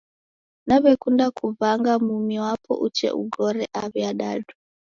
Nawekunda kuw'anga mumi wapo uche ughore aw'i adadu